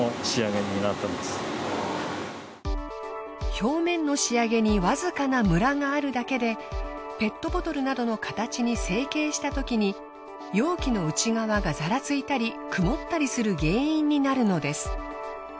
表面の仕上げにわずかなムラがあるだけでペットボトルなどの形に成形したときに容器の内側がザラついたり曇ったりする原因になるのです。